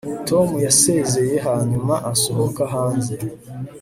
Tom yasezeye hanyuma asohoka hanze